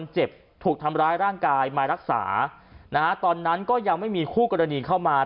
เจ็บถูกทำร้ายร่างกายมารักษานะฮะตอนนั้นก็ยังไม่มีคู่กรณีเข้ามา